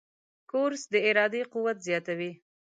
کورس د ارادې قوت زیاتوي.